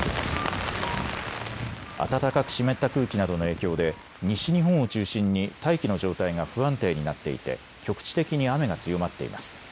暖かく湿った空気などの影響で西日本を中心に大気の状態が不安定になっていて、局地的に雨が強まっています。